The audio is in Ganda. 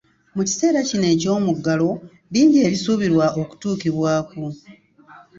Mu kiseera kino eky'omuggalo, bingi ebisuubirwa okutuukibwako.